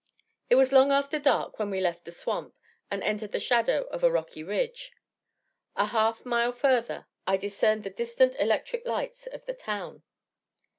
It was long after dark when we left the swamp and entered the shadow of a rocky ridge. A half mile further, I discerned the distant electric lights of the town.